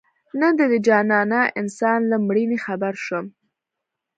نن د دې جانانه انسان له مړیني خبر شوم